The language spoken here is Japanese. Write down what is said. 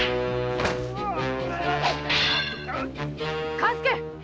勘助！